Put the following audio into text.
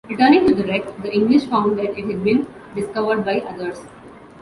Returning to the wreck, the English found that it had been discovered by others.